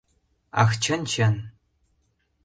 — Ах чын, чын!